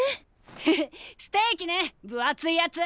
ヘヘッステーキね分厚いやつ！